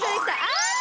ああ！